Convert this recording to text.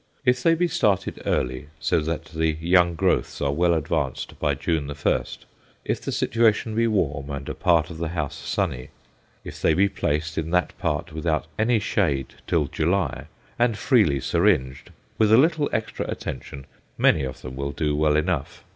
If they be started early, so that the young growths are well advanced by June 1; if the situation be warm, and a part of the house sunny if they be placed in that part without any shade till July, and freely syringed with a little extra attention many of them will do well enough.